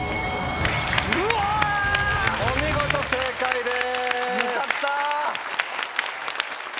お見事正解です。